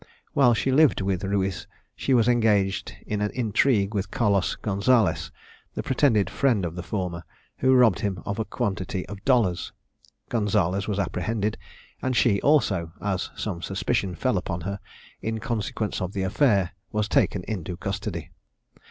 While she lived with Ruiz, she was engaged in an intrigue with Carlos Gonzalez, the pretended friend of the former, who robbed him of a quantity of dollars. Gonzalez was apprehended, and she also, as some suspicion fell upon her, in consequence of the affair, was taken into custody.